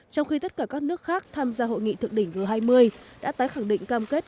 trong khi tất cả các nước khác tham gia hội nghị thượng đỉnh g hai mươi đã tái khẳng định cam kết